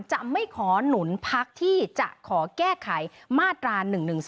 จะไม่ขอหนุนพักที่จะขอแก้ไขมาตรา๑๑๒